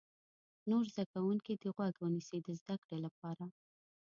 نور زده کوونکي دې غوږ ونیسي د زده کړې لپاره.